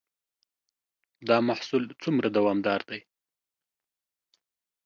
دا محصول څومره دوامدار دی؟